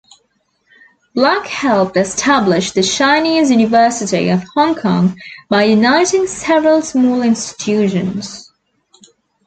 Black helped establish the Chinese University of Hong Kong by uniting several smaller institutions.